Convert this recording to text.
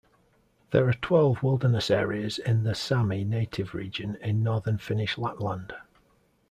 There are twelve wilderness areas in the Sami native region in northern Finnish Lapland.